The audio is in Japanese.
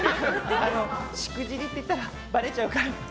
「しくじり」って言ったらばれちゃうから。